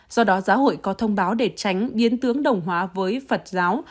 do đó giáo hội có thông báo để tránh biến tướng đồng hóa với phật giáo